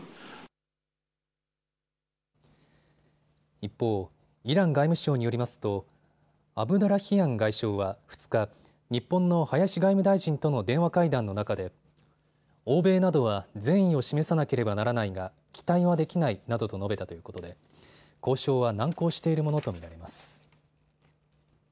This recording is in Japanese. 一方、イラン外務省によりますとアブドラヒアン外相は２日、日本の林外務大臣との電話会談の中で欧米などは善意を示さなければならないが期待はできないなどと述べたということで交渉は難航しているものと見られます。